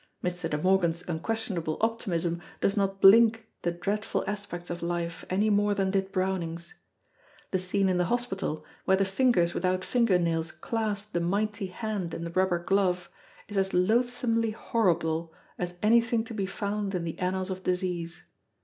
Mr. De Morgan's unquestionable optimism does not blink the dreadful aspects of life, any more than did Browning's. The scene in the hospital, where the fingers without finger nails clasp the mighty hand in the rubber glove, is as loathsomely horrible as anything to be found in the annals of disease.